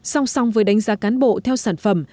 song song với đánh giá cán bộ theo sản phẩm